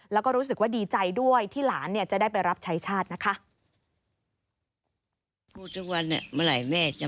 แล้วก็รู้สึกว่าดีใจด้วยที่หลานจะได้ไปรับใช้ชาตินะคะ